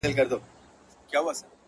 يوه نه، دوې نه، څو دعاوي وكړو,